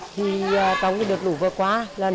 thì trong cái đợt lũ vừa qua là nửa